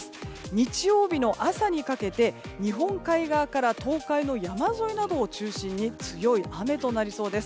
日曜日の朝にかけて日本海側から東海の山沿いなどを中心に強い雨となりそうです。